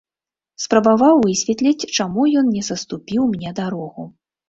Спрабаваў высветліць, чаму ён не саступіў мне дарогу.